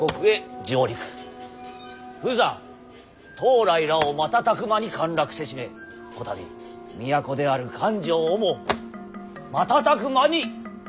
釜山東莱らを瞬く間に陥落せしめこたび都である漢城をも瞬く間に陥落させ申した。